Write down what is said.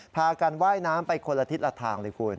พากันว่ายน้ำไปคนละทิศละทางเลยคุณ